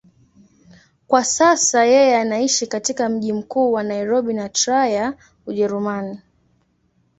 Kwa sasa yeye anaishi katika mji mkuu wa Nairobi na Trier, Ujerumani.